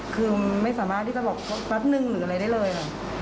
คือไม่สามารถที่จะบอกแป๊บนึงหรืออะไรได้เลยค่ะ